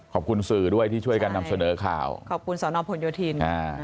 ขอบคุณสื่อด้วยที่ช่วยกันนำเสนอข่าวขอบคุณสอนอผลโยธินอ่า